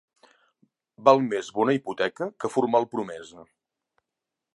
Val més bona hipoteca que formal promesa.